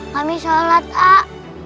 kami sholat pak